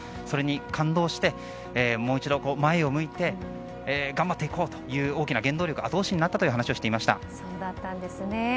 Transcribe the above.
それに感動してもう一度前を向いて頑張っていこうという大きな原動力後押しになったという話をそうだったんですね。